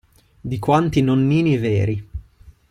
Di quanti nonnini veri.